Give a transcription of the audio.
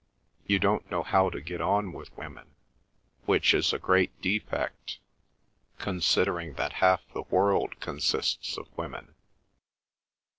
You don't know how to get on with women, which is a great defect, considering that half the world consists of women."